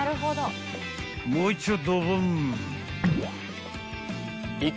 ［もういっちょドボン］